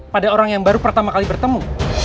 pada orang yang baru pertama kali bertemu